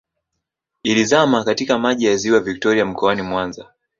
Ilizama katika Maji ya Ziwa Victoria mkoani Mwanza